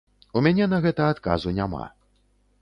У мяне на гэта адказу няма.